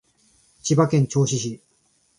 千葉県銚子市